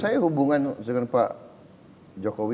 saya hubungan dengan pak jokowi